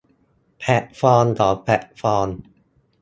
แพลตฟอร์มของแพลตฟอร์ม